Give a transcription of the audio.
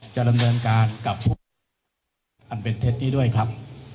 จะดำเนินการกับอันเป็นเท็จนี้ด้วยครับ